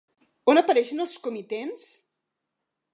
On apareixen els comitents?